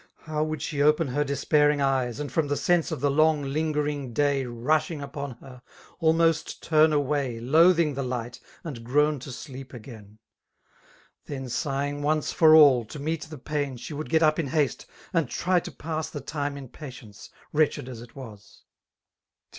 How would she open her despairing eye8> And from the sense of the long lingeriBg day^ Rushing upon her^ almost turn away^ Loathing the lights and groan to sleep againi Then sighing once for all^ to meet the pain> She would get up in haste, and try to pass The time in patience, wretched as it was; Till.